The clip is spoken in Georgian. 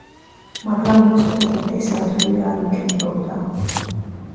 მაგრამ იცოდა, რომ ეს ადვილი არ იქნებოდა.